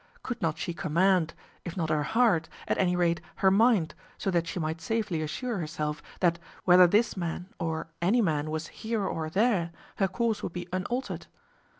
Could not she command, if not her heart, at any rate her mind, so that she might safely assure herself that, whether this man or any man was here or there, her course would be unaltered?